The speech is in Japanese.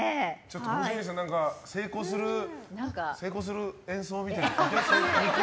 五条院さん成功する演奏みたいな。